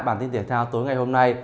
bản tin tiền thao tối ngày hôm nay